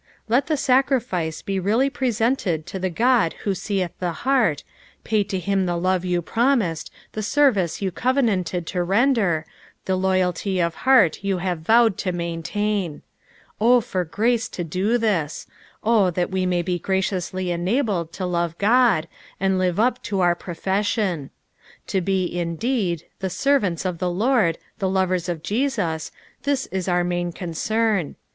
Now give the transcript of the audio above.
Let the Bacriflce be really presented to the Qod who seeth the heart, pay to him the lOTQ yuu promised, the service you covenanted to render, the loyalty of heart you have vowed to maintain. O for grace to do this ! O that we may be graciously enabled to love God, and live up to our profession ! To be, indeed, tiie servants of the Lord, the lovers of Jesus, this ia our main concern.